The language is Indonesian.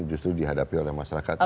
justru dihadapi oleh masyarakat